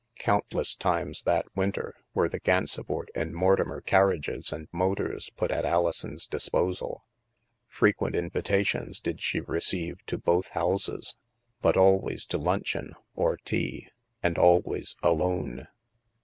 Countless times, that winter, were the Gansevoort and Mortimer carriages and motors put at Alison's disposal. Frequent invita tions did she receive to both houses; but always to luncheon, or tea, and always alone.